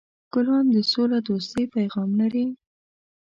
ګلان د سولهدوستۍ پیغام لري.